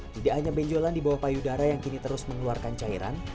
tidak hanya benjolan di bawah payudara yang kini terus mengeluarkan cairan